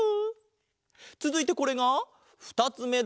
つづいてこれがふたつめだ。